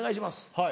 はい。